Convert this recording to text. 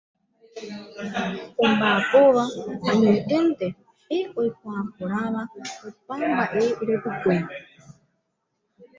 Omba'apóva añoiténte pe oikuaaporãva opa mba'e repykue.